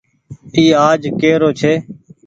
اي آج ڪي رو ڇي۔